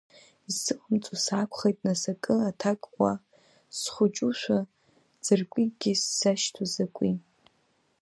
Исзыҟамҵо саақәхеит нас акы аҭак уа, схәыҷушәа ӡыркәикгьы сзашьҭоу закәи.